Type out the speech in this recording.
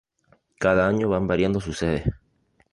Cada año van variando sus sedes.